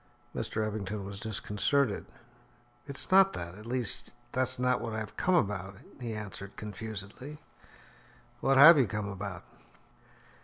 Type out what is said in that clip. Mr. Eppington was disconcerted. "It's not that at least that's not what I have come about," he answered confusedly. "What have you come about?"